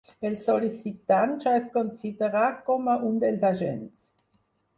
El sol·licitant ja es considera com a un dels agents.